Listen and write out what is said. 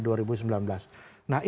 nah ini persepsi ini akan berubah drastis